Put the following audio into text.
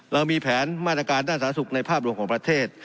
เรามีแผนมาตรการด้านสาธารณสุขในภาพรวมของประเทศ